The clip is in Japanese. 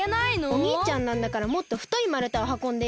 おにいちゃんなんだからもっとふといまるたをはこんでよ！